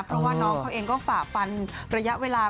เพราะว่าน้องเขาเองก็ฝ่าฟันระยะเวลา